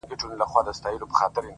چي په ځنځير باندې ډېوې تړلي.!